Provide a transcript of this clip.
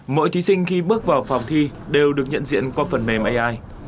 mỗi thí sinh khi bước vào phòng thi đều được nhận diện qua phần mềm ai